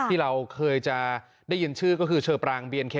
ที่เราเคยจะได้ยินชื่อก็คือเชอปรางเบียนเค